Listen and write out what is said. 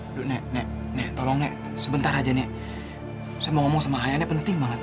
duduk nenek nenek tolong nenek sebentar aja nenek saya mau ngomong sama ayah nenek penting banget